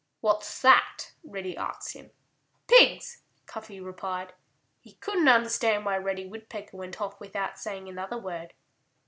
"What's that?" Reddy asked him. "Pigs!" Cuffy replied. He couldn't understand why Reddy Woodpecker went off without saying another word.